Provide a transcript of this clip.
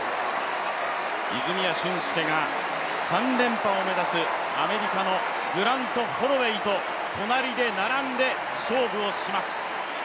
泉谷駿介が３連覇を目指す、アメリカのグラント・ホロウェイと隣で並んで勝負をします。